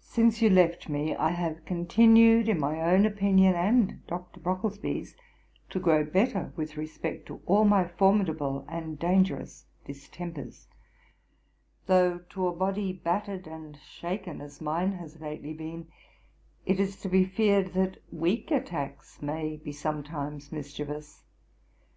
'Since you left me, I have continued in my own opinion, and in Dr, Brocklesby's, to grow better with respect to all my formidable and dangerous distempers: though to a body battered and shaken as mine has lately been, it is to be feared that weak attacks may be sometimes mischievous.